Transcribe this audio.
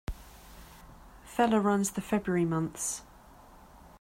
Feller runs the February months.